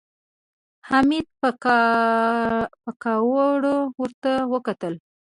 حميد په کاوړ ورته وکتل.